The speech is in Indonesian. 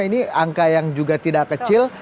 ini angka yang juga tidak kecil